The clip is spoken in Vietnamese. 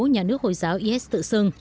nhà nước hồi giáo is tự xưng